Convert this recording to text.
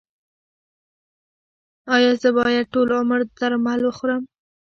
ایا زه باید ټول عمر درمل وخورم؟